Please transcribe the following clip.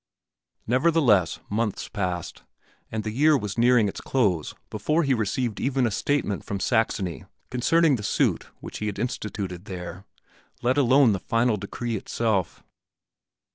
Nevertheless months passed, and the year was nearing its close before he received even a statement from Saxony concerning the suit which he had instituted there, let alone the final decree itself.